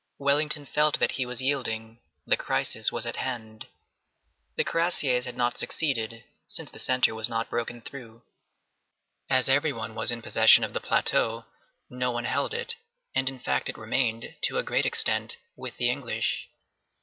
Wellington felt that he was yielding. The crisis was at hand. The cuirassiers had not succeeded, since the centre was not broken through. As every one was in possession of the plateau, no one held it, and in fact it remained, to a great extent, with the English.